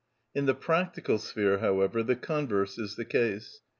In the practical sphere, however, the converse is the case.